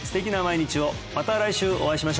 また来週お会いしましょう